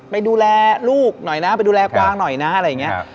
ไปดูแลลูกหน่อยนะไปดูแลกวางหน่อยนะอะไรอย่างนี้